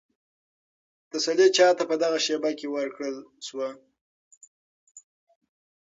تسلي چا ته په دغه شېبه کې ورکړل شوه؟